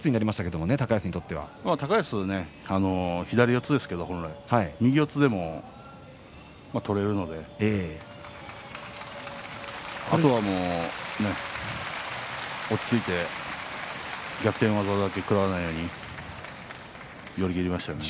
高安は本来、左四つですが右四つでも取れるのであとはもう落ち着いて逆転技だけ食らわないように寄り切りましたね。